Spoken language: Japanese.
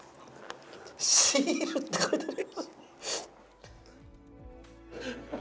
「シール」って書いてある。